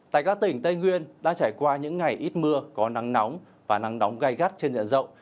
tại các tỉnh tây nguyên đã trải qua những ngày ít mưa có nắng nóng và nắng nóng gai gắt trên diện rộng